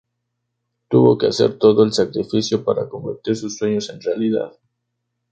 Tuvo que hacer todo el sacrificio para convertir sus sueños en realidad.